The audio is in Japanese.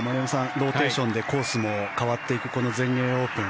ローテーションでコースも変わっていく全英オープン。